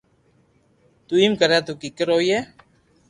تو ايم ڪري تو ڪيڪر ھوئي